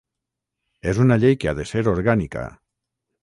És una llei que ha de ser orgànica.